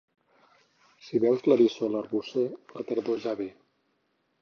Si veus l'eriçó a l'arbocer, la tardor ja ve.